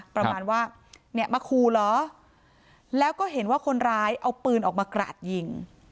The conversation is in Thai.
ประมาณว่าเนี่ยมาคู่เหรอแล้วก็เห็นว่าคนร้ายเอาปืนออกมากราดยิง